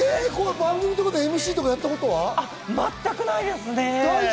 番組とかでＭＣをやったこと全くないです。